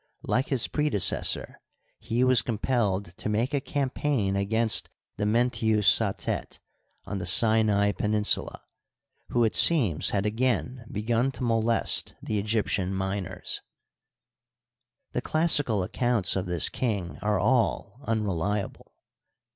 Like his prede Digitized byCjOOQlC THE OLD EMPIRE. 37 cesser, he was compelled to make a campaign against the Menttu Satet, on the Sinai peninsula, who it seems had again begun to molest the Egyptian miners. The classical accounts of this king are all unreliable.